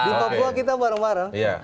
di papua kita bareng bareng